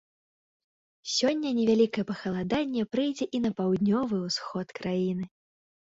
Сёння невялікае пахаладанне прыйдзе і на паўднёвы ўсход краіны.